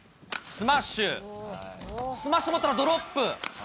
スマッシュと思ったらドロップ。